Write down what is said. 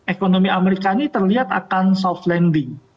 ekonomi amerika ini terlihat akan soft landing